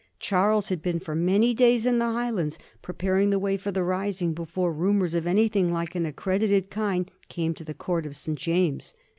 Charles had been for many days in the Highlands, preparing the way for the rising, before rumors of anything like an accredited kind came to the Court of St. James.